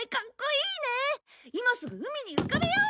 今すぐ海に浮かべよう！